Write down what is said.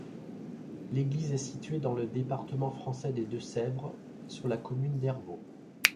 L'église est située dans le département français des Deux-Sèvres, sur la commune d'Airvault.